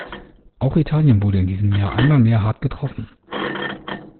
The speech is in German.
Auch Italien wurde in diesem Jahr einmal mehr hart getroffen.